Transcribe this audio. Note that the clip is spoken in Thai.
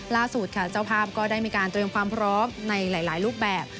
ล่าสุดค่ะเจ้าภาพก็ได้มีการเตรียมความพร้อมในหลายรูปแบบ